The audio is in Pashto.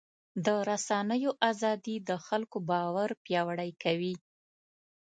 د رسنیو ازادي د خلکو باور پیاوړی کوي.